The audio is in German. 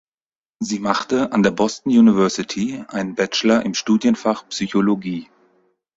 Sie machte an der Boston University einen Bachelor im Studienfach Psychologie.